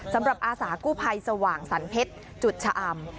อาสากู้ภัยสว่างสรรเพชรจุดชะอำ